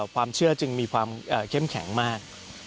ความเชื่อจึงมีความเข้มแข็งมาก